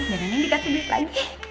dan nenek dikasih tidur lagi